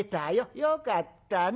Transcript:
よかったね。